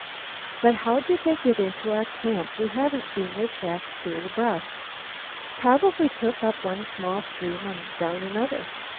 "But how did they get into our camp? We haven't seen their tracks through the brush." "Probably took up one small stream and down another."